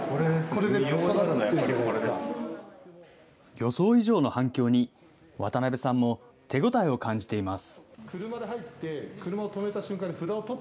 予想以上の反響に、渡邊さんも手応えを感じています。